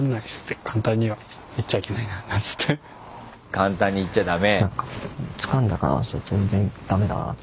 簡単に言っちゃだめ。